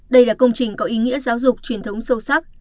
đây là công trình có ý nghĩa giáo dục truyền thống sâu sắc